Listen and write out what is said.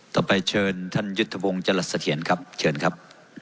ต่อไปเชิญท่านยุทธพงศ์จรัสเถียรครับเชิญครับ